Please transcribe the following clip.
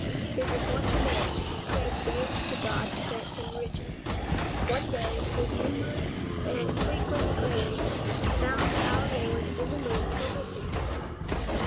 There was once a man who prayed daily to God to grant him riches. One day his numerous and frequent prayers found our Lord in the mood to listen to them.